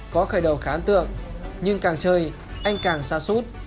có khởi đầu khá ấn tượng nhưng càng chơi anh càng xa suốt